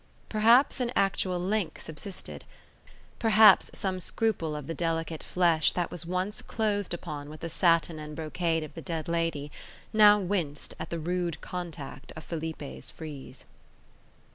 Perhaps an actual link subsisted; perhaps some scruple of the delicate flesh that was once clothed upon with the satin and brocade of the dead lady, now winced at the rude contact of Felipe's frieze.